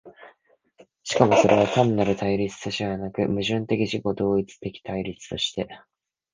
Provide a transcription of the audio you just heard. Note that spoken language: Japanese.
しかもそれは単なる対立ではなく、矛盾的自己同一的対立として、